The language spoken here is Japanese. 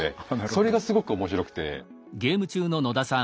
それがすごく面白くて。